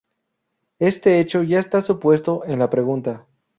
Este hecho ya está supuesto en la pregunta.